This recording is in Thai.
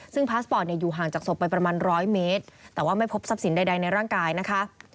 ซึ่งพาสปอร์ตอยู่ห่างจากศพไปประมาณร้อยเมตรแต่ว่าไม่พบทรัพย์สินใดในร่างกายนะคะ